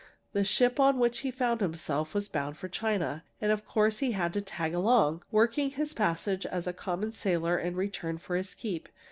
The ship on which he found himself was bound for China, and of course he had to 'tag along,' working his passage as a common sailor in return for his keep.